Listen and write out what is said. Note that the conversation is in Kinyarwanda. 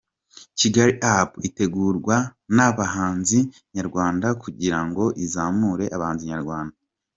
KigaliUp! itegurwa n’abahanzi Nyarwanda kugira ngo izamure abahanzi Nyarwanda.